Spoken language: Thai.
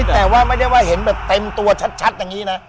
แต่ว่าไม่ได้ว่าเห็นแบบเต็มตัวชัดอย่างนี้นะ